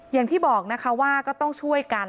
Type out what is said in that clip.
อย่างที่บอกนะคะว่าก็ต้องช่วยกัน